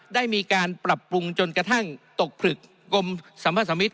ได้มีการปรับปรุงจนกระทั่งตกผลึกกรมสัมพสมิตร